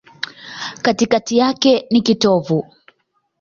Katikati yake ni kitovu.